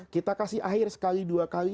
kita kasih air sekali dua kali